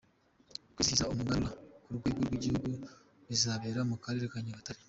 kwizihiza umuganura ku rwego rw’ igihugu, bizabera mu karere ka Nyagatare.